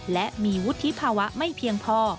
และมีวุฒิภาวะไม่เพียงพอ